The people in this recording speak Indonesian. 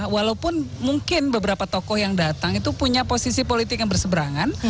walaupun mungkin beberapa tokoh yang datang itu punya posisi politik yang berseberangan